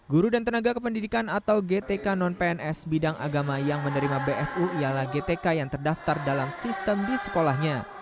guru dan tenaga kependidikan atau gtk non pns bidang agama yang menerima bsu ialah gtk yang terdaftar dalam sistem di sekolahnya